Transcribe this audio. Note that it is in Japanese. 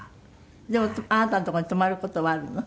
でもあなたの所に泊まる事はあるの？